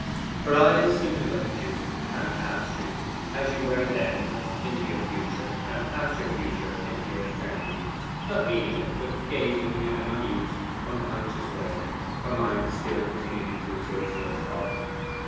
Her eyes seemed to look at you, and past you, as you were then, into your future; and past your future into your eternity not reading it, but gazing in an unused, unconscious way her mind still clinging to its original thought.